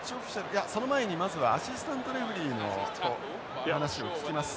いやその前にまずはアシスタントレフリーの話を聞きます。